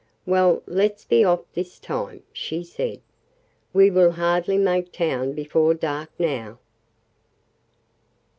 "Well, let's be off this time," she said. "We will hardly make town before dark now."